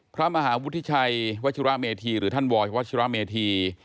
พระมหาวุฒิชัยวัชิระเมธีหรือท่านวอยวัชิระเมธี